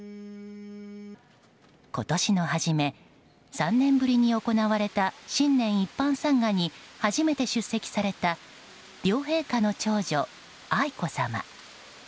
今年の初め、３年ぶりに行われた新年一般参賀に初めて出席された両陛下の長女・愛子さま。